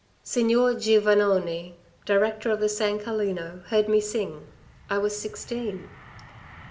"Signor Giovannone, director of the San Carlino, heard me sing. I was sixteen.